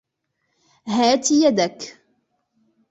هاتِ يدكِ.